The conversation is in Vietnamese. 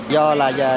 do là chất cháy